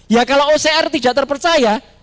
ya kalau ocr tidak terpercaya